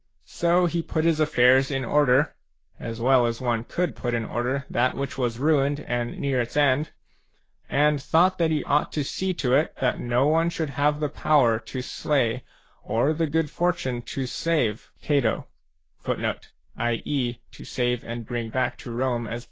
So he put his affairs in order, — as well as one could put in order that which was ruined and near its end, — and thought that he ought to see to it that no one should have the power to slay or the good fortune to save c Cato.